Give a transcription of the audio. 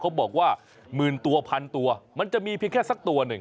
เขาบอกว่าหมื่นตัวพันตัวมันจะมีเพียงแค่สักตัวหนึ่ง